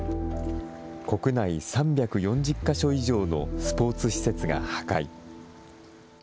国内３４０か所以上のスポーツ施設が破壊。